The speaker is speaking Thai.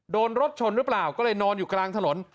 โดนรถชนหรือเปล่าก็เลยนอนอยู่กลางถนน